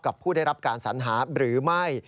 ผู้ได้รับการสัญหาหรือไม่